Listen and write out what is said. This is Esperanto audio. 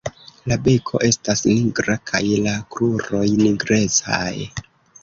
La beko estas nigra kaj la kruroj nigrecaj.